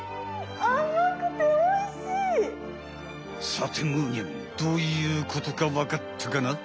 さてむーにゃんどういうことかわかったかな？